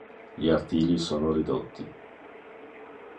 Gli artigli sono ridotti.